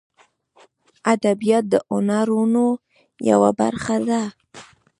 ادبیات د هنرونو یوه برخه ده